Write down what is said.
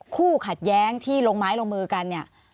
คู่ขัดแย้งที่ลงไม้ลงมือกันเนี่ย